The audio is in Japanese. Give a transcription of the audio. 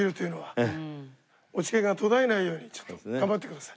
落研が途絶えないようにちょっと頑張ってください。